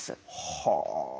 はあ。